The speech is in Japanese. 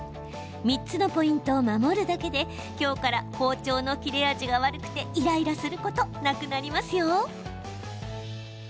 ３つのポイントを守るだけで今日から包丁の切れ味が悪くてイライラすることなくなりますよ。